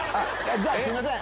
じゃあすいません